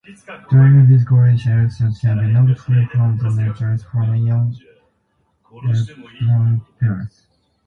During these collisions, electrons can be knocked free from the neutrals, forming ion-electron pairs.